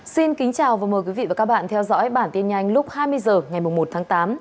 xin kính chào và mời quý vị và các bạn theo dõi bản tin nhanh lúc hai mươi h ngày một tháng tám